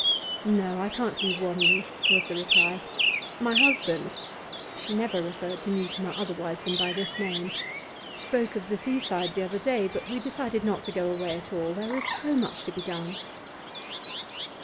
'No, I can't leave Wanley,' was the reply. 'My husband' she never referred to Mutimer otherwise than by this name 'spoke of the seaside the other day, but we decided not to go away at all. There is so much to be done.